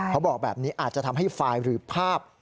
เขาบอกแบบนี้อาจจะทำให้ไฟล์หรือภาพ